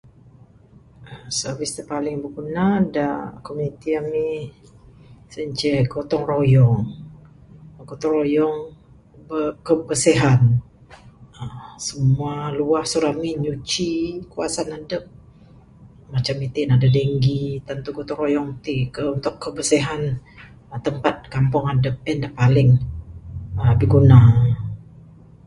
Servis da paling biguna da komuniti ami, sien ceh gotong royong. Gotong royong kebersihan. uhh Semua luah su ramin, nyuci kawasan adup. Macam iti ne aduh denggi. Tentu gotong royong tik untuk kebersihan tempat kampung adup. En da paling uhh biguna.